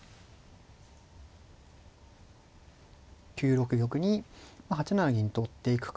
９六玉に８七銀と追っていくか。